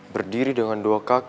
berdiri dengan dua orang